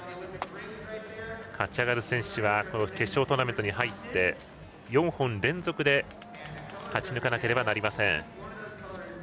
勝ち上がる選手は決勝トーナメントに入って４本連続で勝ち抜かなければなりません。